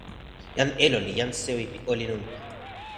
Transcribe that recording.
jan Elo li jan sewi pi olin unpa.